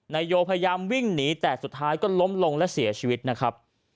นายโยพยายามวิ่งหนีแต่สุดท้ายก็ล้มลงและเสียชีวิตนะครับ